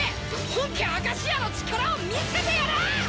本家明石屋の力を見せてやる！